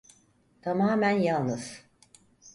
Tamamen yalnız.